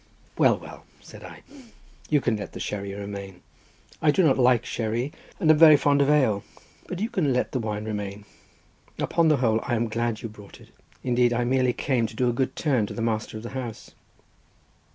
"Well, well," said I, "you can let the sherry remain; I do not like sherry, and am very fond of ale, but you can let the wine remain; upon the whole I am glad you brought it. Indeed, I merely came to do a good turn to the master of the house."